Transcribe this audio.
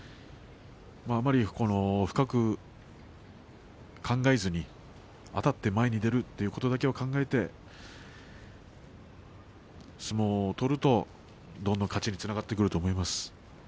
あまり深く考えずにあたって前に出るということだけを考えて相撲を取るとどんどん勝ちにつながってくると思います。